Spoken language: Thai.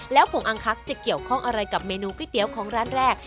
แล้วผงอังคักจะเกี่ยวข้องอะไรกับเมนูก๋วยเตี๋ยวของร้านแรก